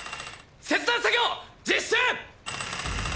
切断作業実施中！